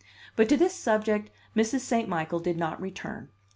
But to this subject Mrs. St. Michael did not return.